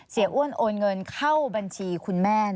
อ้วนโอนเงินเข้าบัญชีคุณแม่